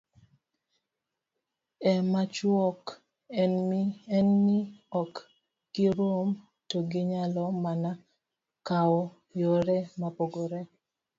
e machuok en ni ok girum to ginyalo mana kawo yore mopogore